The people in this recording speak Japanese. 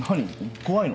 怖いの？